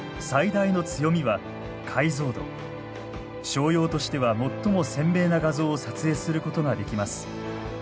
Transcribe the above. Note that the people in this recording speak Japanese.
商用としては最も鮮明な画像を撮影することができます。